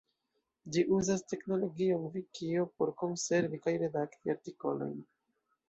Ĝi uzas teknologion vikio por konservi kaj redakti artikolojn.